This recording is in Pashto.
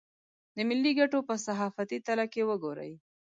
د ملي ګټو په صحافتي تله که وګوري.